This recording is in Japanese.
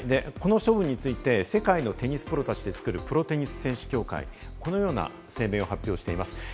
で、この処分について世界のプロテニス選手たちでつくるプロテニス選手協会はこのように発表しています。